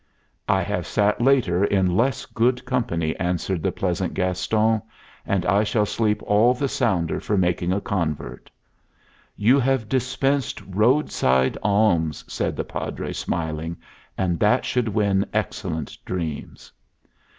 "I have sat later in less good company," answered the pleasant Gaston. "And I shall sleep all the sounder for making a convert." "You have dispensed roadside alms," said the Padre, smiling, "and that should win excellent dreams."